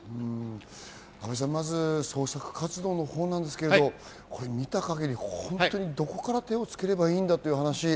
捜索活動の方ですけれど、見た限り、本当にどこから手をつければいいんだという話。